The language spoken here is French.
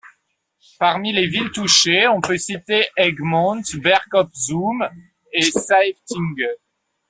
Parmi les villes touchées, on peut citer Egmond, Berg-op-Zoom et Saeftinghe.